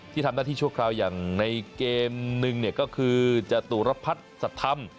ทำหน้าที่ชั่วคราวอย่างในเกมนึงก็คือจตุรพัฒน์สัทธรรม